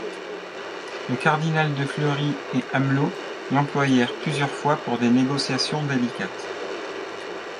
Le cardinal de Fleury et Amelot l'employèrent plusieurs fois pour des négociations délicates.